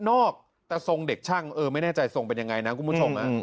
ส่วนอีกนึงแต่งชุดนอกแต่ทรงเด็กช่างไม่แน่ใจทรงเป็นยังไงนะคุณผู้ชม